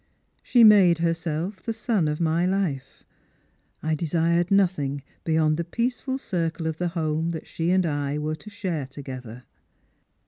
She made herself the sun of my life. I desired nothing beyond the peaceful circle of the home that she and I were to share together.